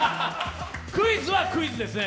クイズはクイズですね。